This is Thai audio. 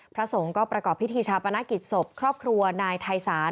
พระสงฆ์ก็ประกอบพิธีชาปนกิจศพครอบครัวนายไทยศาล